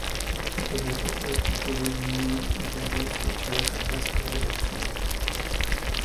Díky tomu je oproti původní řadě zvětšena kabina strojvedoucího.